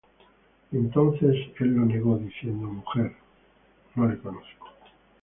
Entonces él lo negó, diciendo: Mujer, no le conozco.